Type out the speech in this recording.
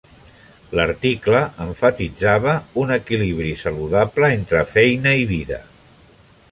L'article emfatitzava un equilibri saludable entre feina i vida.